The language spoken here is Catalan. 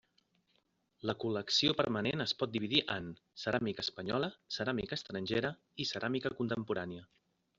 La col·lecció permanent es pot dividir en: ceràmica espanyola, ceràmica estrangera i ceràmica contemporània.